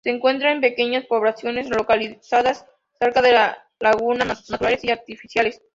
Se encuentra en pequeñas poblaciones localizadas cerca de lagunas naturales y artificiales.